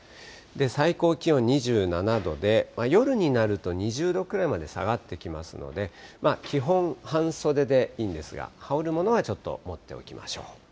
最高気温２７度で、夜になると２０度くらいまで下がってきますので、基本、半袖でいいんですが、羽織るものはちょっと持っておきましょう。